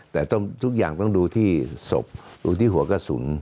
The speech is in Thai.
แต่ทุกอย่างต้องดูที่ศพดูที่หัวกระสุน